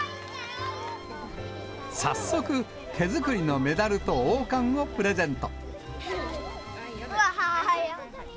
早速、手作りのメダルと王冠をプレゼント。